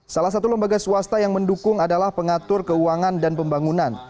salah satu lembaga swasta yang mendukung adalah pengatur keuangan dan pembangunan